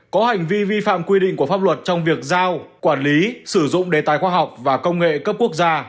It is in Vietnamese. có hành vi vi phạm quy định của pháp luật trong việc giao quản lý sử dụng đề tài khoa học và công nghệ cấp quốc gia